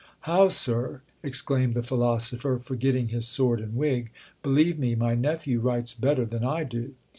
"How, sir!" exclaimed the philosopher, forgetting his sword and wig; "believe me, my nephew writes better than I do."